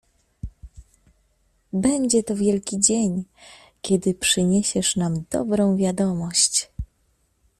"Będzie to wielki dzień, kiedy przyniesiesz nam dobrą wiadomość."